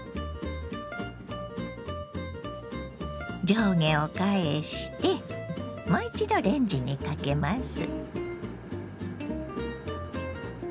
上下を返してもう一度レンジにかけます。